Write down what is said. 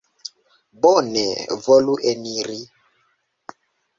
Bone, volu eniri.